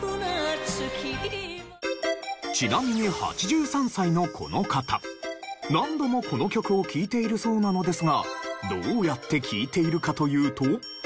ちなみに８３歳のこの方何度もこの曲を聴いているそうなのですがどうやって聴いているかというと。